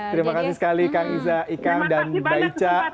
terima kasih sekali kang iza ikang dan mbak ica